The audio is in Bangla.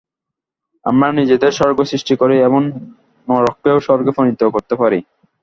আমরাই নিজেদের স্বর্গ সৃষ্টি করি, এবং নরককেও স্বর্গে পরিণত করিতে পারি।